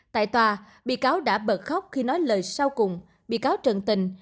tại tòa bị cáo đã bật khóc khi nói lời sau cùng bị cáo trần tình